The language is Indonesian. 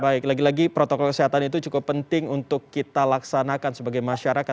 baik lagi lagi protokol kesehatan itu cukup penting untuk kita laksanakan sebagai masyarakat